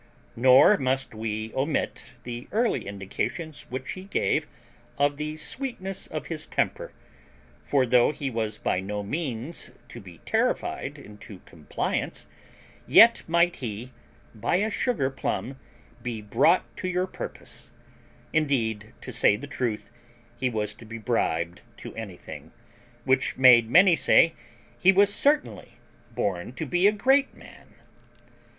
Nor must we omit the early indications which he gave of the sweetness of his temper; for though he was by no means to be terrified into compliance, yet might he, by a sugar plum, be brought to your purpose; indeed, to say the truth, he was to be bribed to anything, which made many say he was certainly born to be a great man.